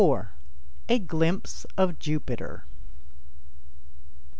A Glimpse of Jupiter.